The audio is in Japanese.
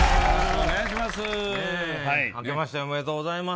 お願いします。